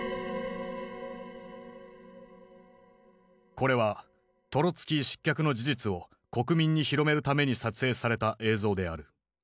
これはトロツキー失脚の事実を国民に広めるために撮影された映像である。